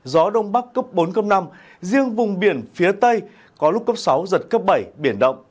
gió đông bắc cấp bốn năm riêng vùng biển phía tây có lúc cấp sáu giật cấp bảy biển động